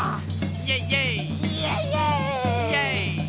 イエイイエイ！